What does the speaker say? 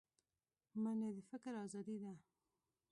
منډه د فکر ازادي ده